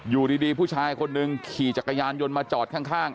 อยู่ดีผู้ชายคนหนึ่งขี่จักรยานยนต์มาจอดข้าง